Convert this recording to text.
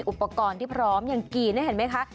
อุปกรณ์ที่พร้อมอย่างกี่นี่เห็นไหมคะ